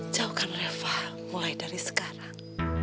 jauhkan eva mulai dari sekarang